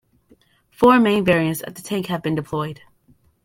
Four main variants of the tank have been deployed.